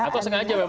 atau sengaja memang